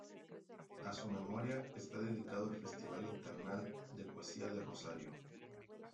A su memoria está dedicado el festival internacional de poesía de Rosario